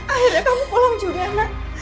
akhirnya kamu pulang juga